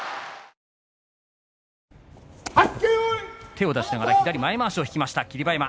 手を出しながら左前まわしを引きました、霧馬山。